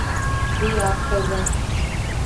Уи аԥхьаӡа.